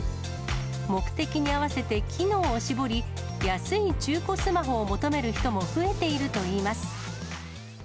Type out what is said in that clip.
目的に合わせて機能を絞り、安い中古スマホを求める人も増えているといいます。